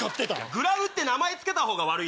グラムって名前付けたほうが悪い。